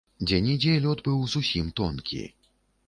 Дзе-нідзе лёд быў зусім тонкі.